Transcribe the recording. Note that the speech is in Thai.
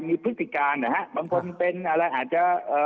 มีพฤติการนะฮะบางคนเป็นอะไรอาจจะเอ่อ